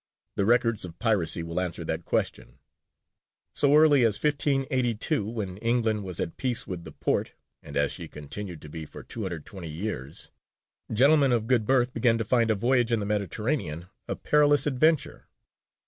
The records of piracy will answer that question. So early as 1582, when England was at peace with the Porte (and as she continued to be for 220 years), gentlemen of good birth began to find a voyage in the Mediterranean a perilous adventure.